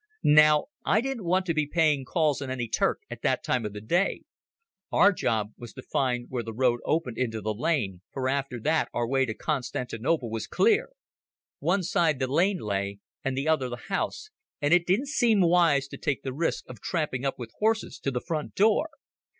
Now, I didn't want to be paying calls on any Turk at that time of day. Our job was to find where the road opened into the lane, for after that our way to Constantinople was clear. One side the lane lay, and the other the house, and it didn't seem wise to take the risk of tramping up with horses to the front door.